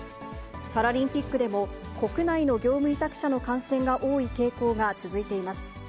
パラリンピックでも国内の業務委託者の感染が多い傾向が続いています。